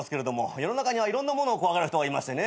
世の中にはいろんなものを怖がる人がいましてね。